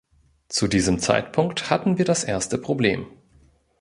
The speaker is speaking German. Zu diesem Zeitpunkt hatten wir das erste Problem.